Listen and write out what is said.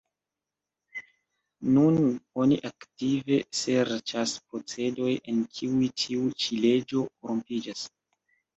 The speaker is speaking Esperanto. Nun oni aktive serĉas procedoj en kiuj tiu ĉi leĝo rompiĝas.